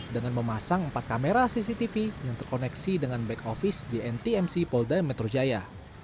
dengan memasang empat kamera cctv yang terkoneksi dengan back office di ntmc polda metro jaya